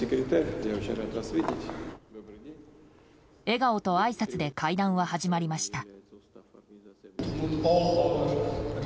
笑顔とあいさつで会談は始まりました。